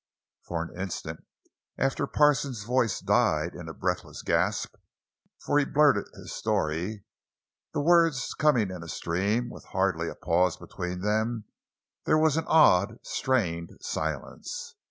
For an instant after Parsons' voice died in a breathless gasp, for he blurted his story, the words coming in a stream, with hardly a pause between them; there was an odd, strained silence.